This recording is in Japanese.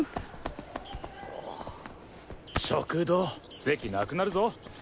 食堂席なくなるぞ。